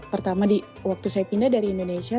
pertama waktu saya pindah dari indonesia